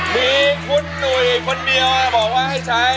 มีคุณหนุ่ยคนเดียวบอกว่าให้ใช้